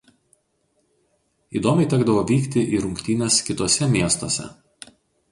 Įdomiai tekdavo vykti į rungtynes kituose miestuose.